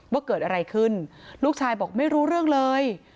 ว่าเกิดอะไรขึ้นลูกชายบอกไม่รู้เรื่องเลย